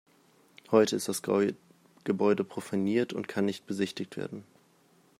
Heute ist das Gebäude profaniert und kann nicht besichtigt werden.